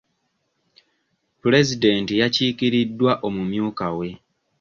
Pulezidenti yakiikiriddwa omumyuuka we.